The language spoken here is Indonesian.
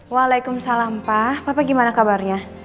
waalaikumsalam pak bapak gimana kabarnya